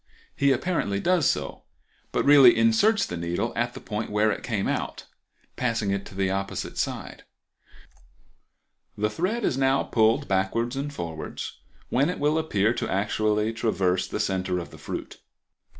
He apparently does so, but really inserts the needle at the point where it came out, passing it to the opposite side. The thread is now pulled backwards and forwards, when it will appear to actually traverse the center of the fruit.